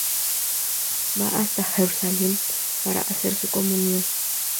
Va hasta Jerusalem para hacer su comunión.